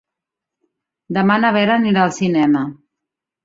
Demà na Vera anirà al cinema.